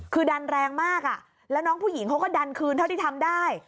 คือดันแรงมากอ่ะแล้วน้องผู้หญิงเขาก็ดันคืนเท่าที่ทำได้